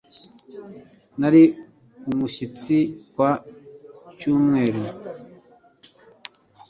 Nari umushyitsi kwa icyumweru.